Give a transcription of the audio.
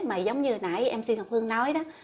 mà giống như nãy em xin học hương nói đó